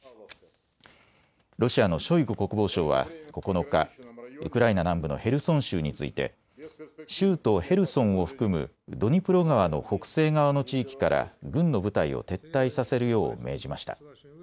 ロシアのショイグ国防相は９日、ウクライナ南部のヘルソン州について州都ヘルソンを含むドニプロ川の北西側の地域から軍の部隊を撤退させるよう命じました。